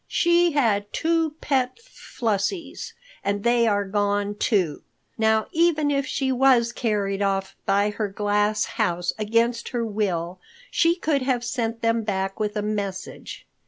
"She had two pet Flussies and they are gone, too. Now, even if she was carried off by her glass house against her will, she could have sent them back with a message.